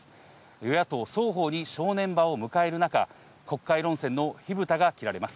与野党双方に正念場を迎える中、国会論戦の火ぶたが切られます。